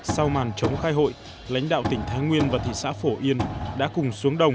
sau màn chống khai hội lãnh đạo tỉnh thái nguyên và thị xã phổ yên đã cùng xuống đồng